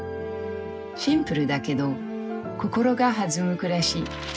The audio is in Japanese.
シンプルだけど心が弾む暮らし。